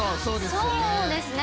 そうですね。